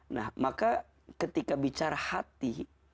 nah maka ketika bicara hati